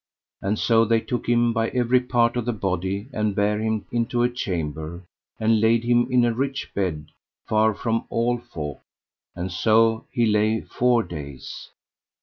And so they took him by every part of the body, and bare him into a chamber, and laid him in a rich bed, far from all folk; and so he lay four days.